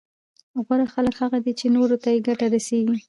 غوره خلک هغه دي چي نورو ته يې ګټه رسېږي